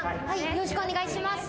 よろしくお願いします。